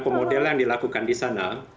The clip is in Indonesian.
pemodel yang dilakukan di sana